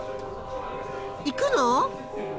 行くの？